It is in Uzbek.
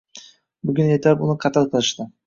Bugun ertalab uni qatl qilishdi